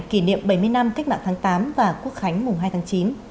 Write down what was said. kỷ niệm bảy mươi năm cách mạng tháng tám và quốc khánh mùng hai tháng chín